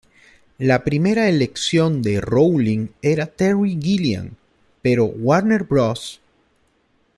La primera elección de Rowling era Terry Gilliam, pero Warner Bros.